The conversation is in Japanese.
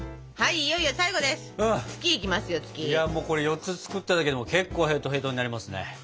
いやもうこれ４つ作っただけでも結構へとへとになりますね。